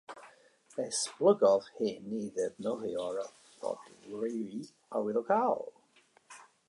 Esblygodd hyn i ddefnyddio'r fodrwy arwyddocaol.